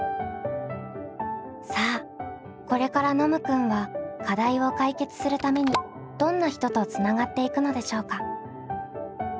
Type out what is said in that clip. さあこれからノムくんは課題を解決するためにどんな人とつながっていくのでしょうか？